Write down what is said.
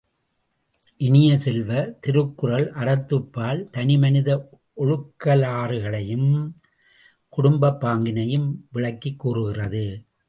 இனிய செல்வ, திருக்குறள் அறத்துப்பால் தனி மனித ஒழுகலாறுகளையும் குடும்பப் பாங்கினையும் விளக்கிக் கூறுகிறது.